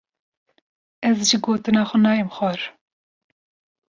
Ez ji gotina xwe nayêm xwar.